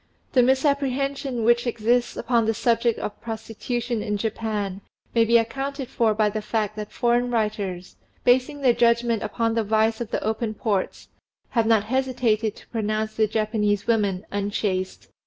The misapprehension which exists upon the subject of prostitution in Japan may be accounted for by the fact that foreign writers, basing their judgment upon the vice of the open ports, have not hesitated to pronounce the Japanese women unchaste.